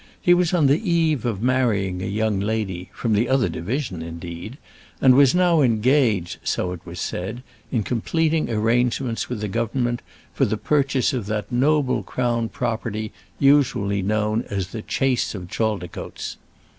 He was on the eve of marrying a young lady, from the other division indeed, and was now engaged, so it was said, in completing arrangements with the government for the purchase of that noble crown property usually known as the Chace of Chaldicotes.